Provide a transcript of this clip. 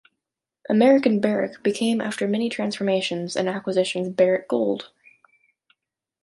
American Barrick became after many transformations and acquisitions Barrick Gold.